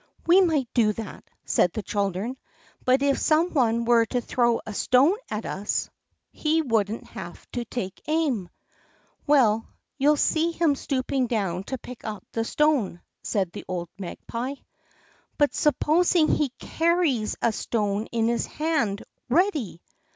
"We might do that," said the children; "but if some one were to throw a stone at us, he wouldn't have to take aim." "Well, you'll see him stooping down to pick up the stone," said the old Magpie. "But supposing he carries a stone in his hand, ready?"